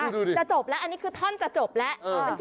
ดูดิจะจบแล้วอันนี้คือท่อนจะจบแล้ว